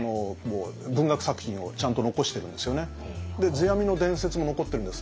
世阿弥の伝説も残ってるんです。